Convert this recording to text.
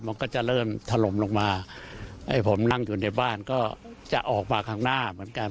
มันก็จะเริ่มถล่มลงมาไอ้ผมนั่งอยู่ในบ้านก็จะออกมาข้างหน้าเหมือนกัน